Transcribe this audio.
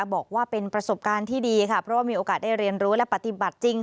บอกว่าเป็นประสบการณ์ที่ดีค่ะเพราะว่ามีโอกาสได้เรียนรู้และปฏิบัติจริง